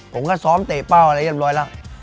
ผมก็ซ้อมเตะเป้าอะไรเรียบร้อยแล้ว